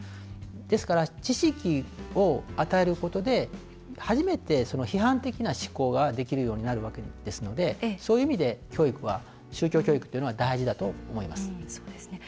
ですから、知識を与えることで初めて批判的な思考ができるようになるわけですのでそういう意味で宗教教育というのは大事だと思います。